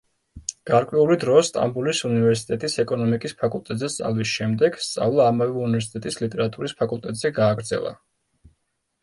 გარკვეული დრო სტამბოლის უნივერსიტეტის ეკონომიკის ფაკულტეტზე სწავლის შემდეგ, სწავლა ამავე უნივერსიტეტის ლიტერატურის ფაკულტეტზე გააგრძელა.